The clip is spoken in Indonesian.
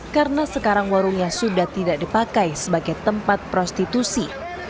karena sekarang warungnya sudah tidak dipakai sebagai tempat prostitusi